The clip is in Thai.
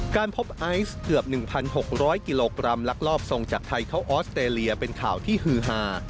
การพบไอซ์เกือบ๑๖๐๐กิโลกรัมลักลอบทรงจากไทยเข้าออสเตรเลียเป็นข่าวที่ฮือฮา